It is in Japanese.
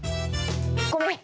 ごめん。